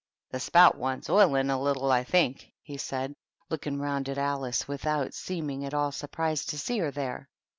" The spout wants oiling a little, I think," he said, look ing round at Alice without seeming at all sur prised to see her there.